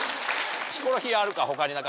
ヒコロヒーあるか？